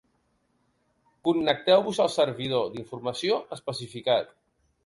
Connecteu-vos al servidor d'informació especificat.